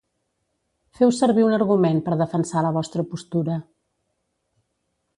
Feu servir un argument per defensar la vostra postura.